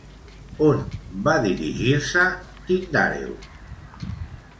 On va dirigir-se Tindàreu?